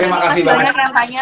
ya terima kasih banyak